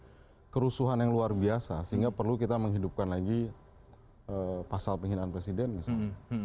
ada kerusuhan yang luar biasa sehingga perlu kita menghidupkan lagi pasal penghinaan presiden misalnya